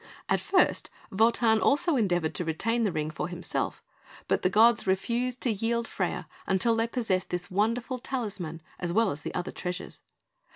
At first Wotan also endeavoured to retain the Ring for himself; but the gods refused to yield Freia until they possessed this wonderful talisman as well as the other treasures.